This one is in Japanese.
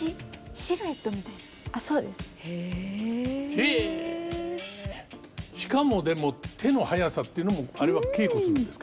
しかもでも手の速さっていうのもあれは稽古するんですか？